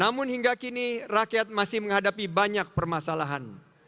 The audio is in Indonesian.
namun hingga kini rakyat masih menghadapi banyak permasalahan